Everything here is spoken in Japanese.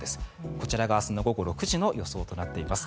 こちらが明日の午後６時の予想となっています。